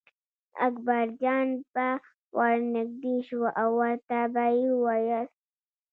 اکبرجان به ور نږدې شو او ورته به یې ویل.